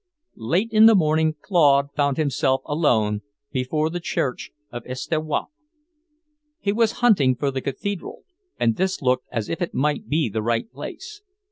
Late in the morning Claude found himself alone before the Church of St. Ouen. He was hunting for the Cathedral, and this looked as if it might be the right place.